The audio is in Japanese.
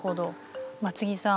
松木さん